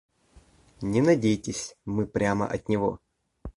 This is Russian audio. Не надейтесь, мы прямо от него.